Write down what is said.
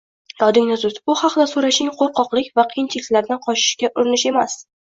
Yodingda tut: bu haqda so‘rashing qo‘rqoqlik va qiyinchiliklardan qochishga urinish emas!